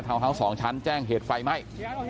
เท้าเฮ้าสองชั้นแจ้งเหตุไฟไหม้